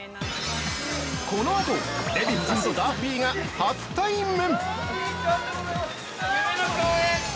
この後、デヴィ夫人とダッフィーが初対面！